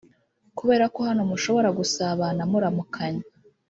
kubera ko hano mushobora gusabana muramukanya